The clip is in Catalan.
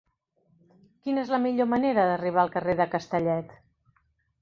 Quina és la millor manera d'arribar al carrer de Castellet?